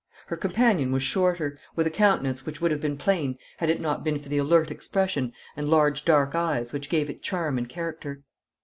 Her companion was shorter, with a countenance which would have been plain had it not been for the alert expression and large dark eyes, which gave it charm and character.